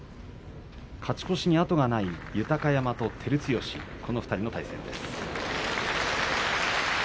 勝ち越しに後がない豊山と照強この２人の対戦です。